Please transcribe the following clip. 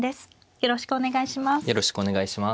よろしくお願いします。